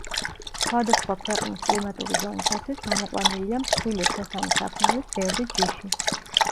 სხვადასხვა ქვეყნის კლიმატური ზონისათვის გამოყვანილია მსხვილი რქოსანი საქონლის ბევრი ჯიში.